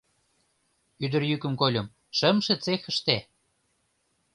Ӱдыр йӱкым кольым: «Шымше цехыште».